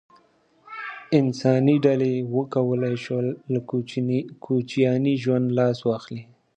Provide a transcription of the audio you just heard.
انساني ډلې وکولای شول له کوچیاني ژوند لاس واخلي.